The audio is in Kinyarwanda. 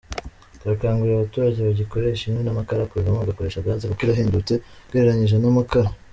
Turakangurira abaturage bagikoresha inkwi n’amakara kubivamo bagakoresha Gas kuko irahendutse ugereranyije n’amakara.